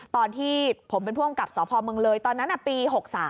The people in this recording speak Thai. ตอนที่ผมเป็นผู้อำกับสพเมืองเลยตอนนั้นปี๖๓